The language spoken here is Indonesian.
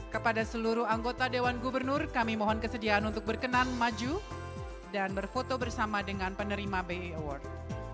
kepada seluruh anggota dewan gubernur kami mohon kesediaan untuk berkenan maju dan berfoto bersama dengan penerima bi award